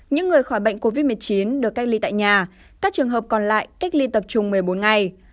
những người khỏi bệnh covid một mươi chín được cách ly tại nhà các trường hợp còn lại cách ly tập trung một mươi bốn ngày